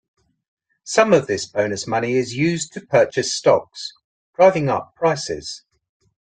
Some of this bonus money is used to purchase stocks, driving up prices.